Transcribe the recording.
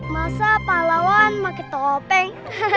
masa pahlawan pakai topeng